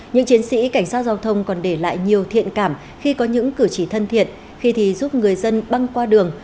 những chiến sĩ cảnh sát giao thông còn để lại nhiều thiện cảm khi có những cử chỉ thân thiện khi thì giúp người dân băng qua đường